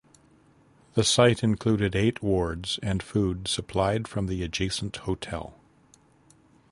That site included eight wards and food supplied from the adjacent hotel.